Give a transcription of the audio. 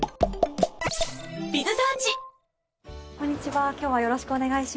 こんにちは今日はよろしくお願いします。